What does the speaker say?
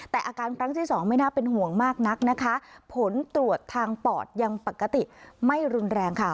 แต่อาการครั้งที่สองไม่น่าเป็นห่วงมากนักนะคะผลตรวจทางปอดยังปกติไม่รุนแรงค่ะ